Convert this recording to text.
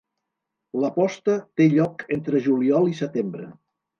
La posta té lloc entre juliol i setembre.